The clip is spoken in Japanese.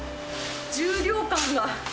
重量感が。